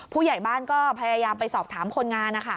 ผู้ใหญ่บ้านก็พยายามไปสอบถามคนงาน